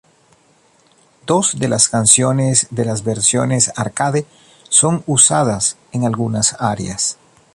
Dos de las canciones de las versiones arcade son usadas en algunas áreas.